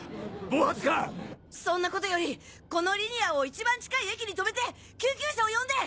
暴発か⁉そんなことよりこのリニアを一番近い駅に止めて救急車を呼んで！